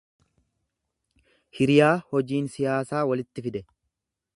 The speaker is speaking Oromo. hiriyaa hojiin siyaasaa walitti fide.